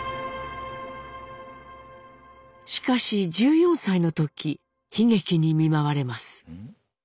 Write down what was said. しかし１４歳の時悲劇に見舞われます。